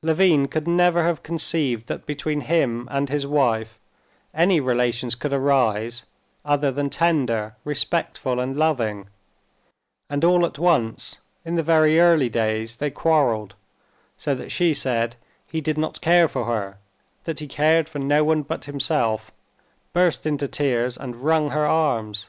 Levin could never have conceived that between him and his wife any relations could arise other than tender, respectful and loving, and all at once in the very early days they quarreled, so that she said he did not care for her, that he cared for no one but himself, burst into tears, and wrung her arms.